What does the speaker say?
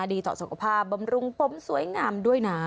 ดีต่อสุขภาพบำรุงปมสวยงามด้วยนะ